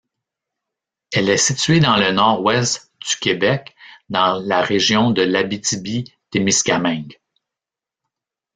Elle est située dans le nord-ouest du Québec dans la région de l'Abitibi-Témiscamingue.